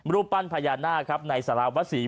รูปปั้นพญานาคครับในสารวศรี